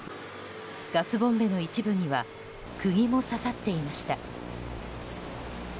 ガスボンベの一部には釘も刺さっていました。